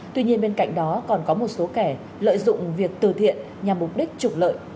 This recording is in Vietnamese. tuy nhiên bên cạnh đó còn có một số kẻ lợi dụng việc từ thiện nhằm mục đích trục lợi